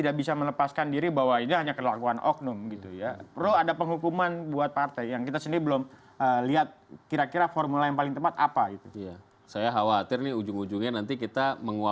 kita dukung dukung sepenuhnya